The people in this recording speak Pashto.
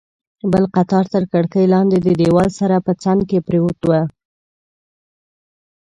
بل قطار تر کړکۍ لاندې، د دیوال سره په څنګ کې پروت و.